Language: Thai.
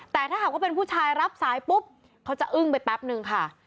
แต่ถ้าหากว่าเป็นผู้ชายรับสายปุ๊บเขาจะอึ้งไปแป๊บนึงค่ะ